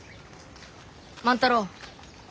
万太郎。